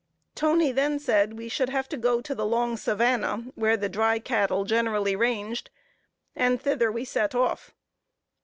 Toney then said, we should have to go to the long savanna, where the dry cattle generally ranged, and thither we set off.